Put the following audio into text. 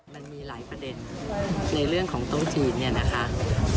มันมีหลายประเด็นในเรื่องของโต๊ะจีนเนี่ยนะคะ